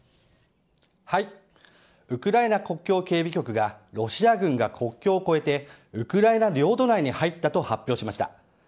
ウクライナ国境警備局がロシア軍が国境を越えてウクライナ領土内に入ったと発表しました。